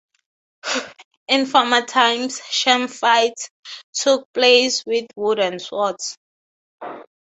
In former times, sham fights took place with wooden swords.